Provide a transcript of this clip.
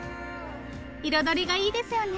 彩りがいいですよね。